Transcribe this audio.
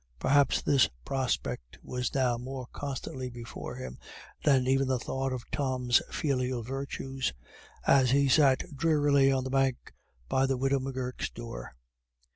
Perhaps this prospect was now more constantly before him than even the thought of Tom's filial virtues, as he sat drearily on the bank by the widow M'Gurk's door.